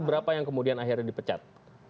berapa yang kemudian akhirnya dipecat